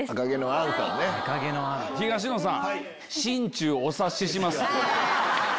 東野さん。